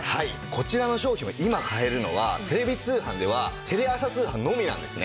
こちらの商品を今買えるのはテレビ通販ではテレ朝通販のみなんですね。